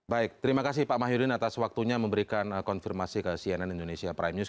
baik terima kasih pak mahyudin atas waktunya memberikan konfirmasi ke cnn indonesia prime news